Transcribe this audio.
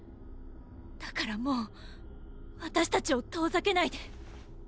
だからもう私たちを遠ざけないで。